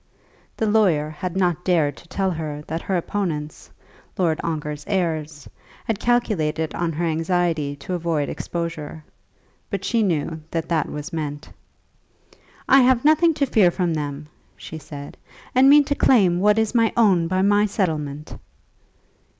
The lawyer had not dared to tell her that her opponents, Lord Ongar's heirs, had calculated on her anxiety to avoid exposure; but she knew that that was meant. "I have nothing to fear from them," she said, "and mean to claim what is my own by my settlement."